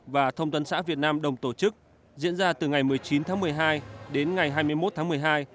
và thông tấn xã việt nam đồng tổ chức diễn ra từ ngày một mươi chín tháng một mươi hai đến ngày hai mươi một tháng một mươi hai